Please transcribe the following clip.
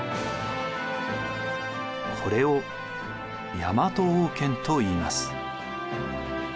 これを大和王権といいます。